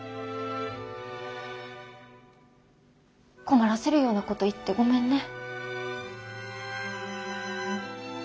困らせるようなこと言ってごめんね。